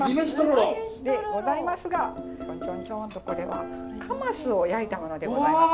でございますがチョンチョンチョンとこれはカマスを焼いたものでございます。